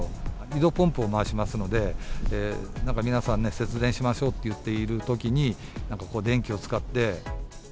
井戸ポンプを回しますので、なんか皆さんね、節電しましょうって言ってるときに、なんかこう、電気を使って。